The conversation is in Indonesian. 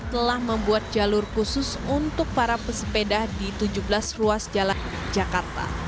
telah membuat jalur khusus untuk para pesepeda di tujuh belas ruas jalan di jakarta